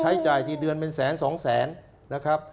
ใช้จ่ายทีเดือนเป็นแสนสองแสนนะครับ